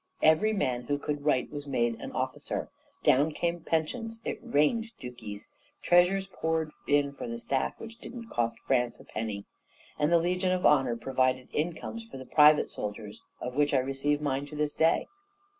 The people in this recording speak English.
Every man who could write was made an officer. Down came pensions; it rained duchies; treasures poured in for the staff which didn't cost France a penny; and the Legion of Honour provided incomes for the private soldiers of which I receive mine to this day.